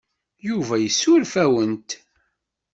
Yuba yessuref-awent.